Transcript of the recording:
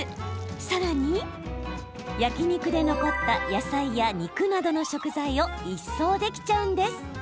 さらに、焼き肉で残った野菜や肉などの食材を一掃できちゃうんです。